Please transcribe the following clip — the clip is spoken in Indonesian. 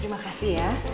terima kasih ya